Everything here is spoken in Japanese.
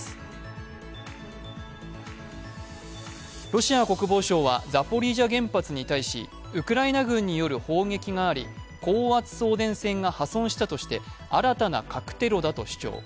ロシア国防省はザポリージャ原発に対しウクライナ軍による砲撃があり高圧送電線が破損したとして新たな核テロだと主張。